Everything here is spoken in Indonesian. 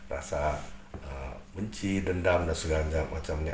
rasa benci dendam dan segala macamnya